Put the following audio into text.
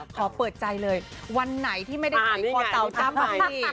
ขอเปิดใจเลยวันไหนที่ไม่ได้หายคอเต่าจำ